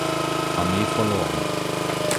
Armee verloren.